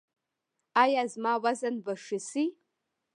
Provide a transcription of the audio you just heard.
ایا زما وزن به ښه شي؟